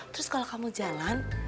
terus kalau kamu jalan